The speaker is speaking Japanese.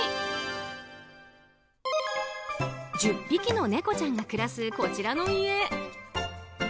１０匹のネコちゃんが暮らすこちらの家。